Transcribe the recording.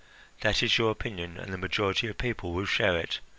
That is your opinion, and the majority of people will share it.